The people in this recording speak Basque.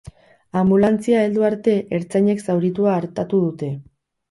Anbulantzia heldu arte, ertzainek zauritua artatu dute.